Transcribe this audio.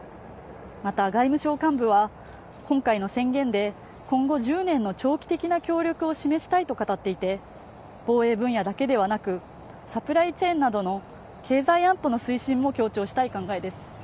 また外務省幹部は今回の宣言で今後１０年の長期的な協力を示したいと語っていて防衛分野だけではなくサプライチェーンなどの経済安保の推進も強調したい考えです